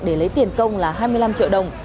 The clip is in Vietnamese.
để lấy tiền công là hai mươi năm triệu đồng